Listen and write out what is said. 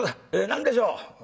何でしょう？」。